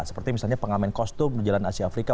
seperti misalnya pengamen kostum di jalan asia afrika